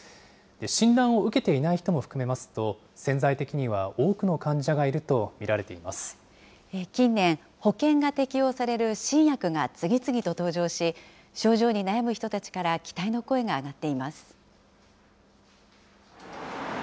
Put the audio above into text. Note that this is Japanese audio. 診断を受けていない人も含めますと、潜在的には多くの患者がいる近年、保険が適用される新薬が次々と登場し、症状に悩む人たちから期待の声が上がっています。